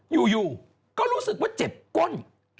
อยู่ก็รู้สึกว่าเจ็บก้น